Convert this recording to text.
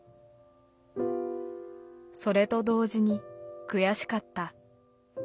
「それと同時に悔しかった。